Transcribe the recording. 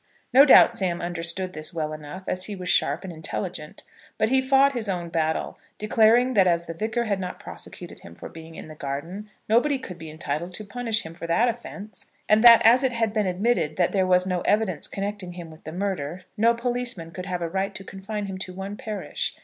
No doubt Sam understood this well enough, as he was sharp and intelligent; but he fought his own battle, declaring that as the Vicar had not prosecuted him for being in the garden, nobody could be entitled to punish him for that offence; and that as it had been admitted that there was no evidence connecting him with the murder, no policeman could have a right to confine him to one parish.